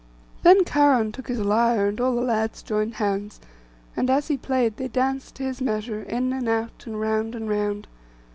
Then Cheiron took his lyre, and all the lads joined hands; and as be played, they danced to his measure, in and out, and round and round.